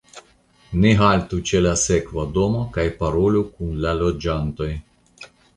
Ni haltu ĉe la sekva domo kaj parolu kun la loĝantoj.